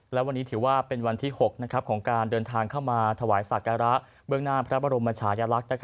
และวันนี้ถือว่าเป็นวันที่๖ของการเดินทางเข้ามาถวายสักการะเบื้องหน้าพระบรมชายลักษณ์